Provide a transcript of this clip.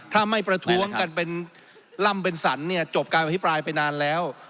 ถ้าไม่ประท้วงกันเป็นล่ำเป็นสรรเนี่ยจบการอภิปรายไปนานแล้ว